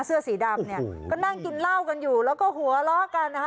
เสื้อสีดำเนี่ยก็นั่งกินเหล้ากันอยู่แล้วก็หัวเราะกันนะคะ